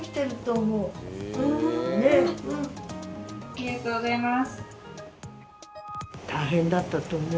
ありがとうございます。